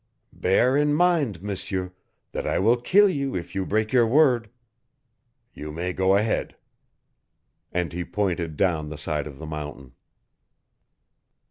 "Bear in mind, M'seur, that I will kill you if you break your word. You may go ahead." And he pointed down the side of the mountain.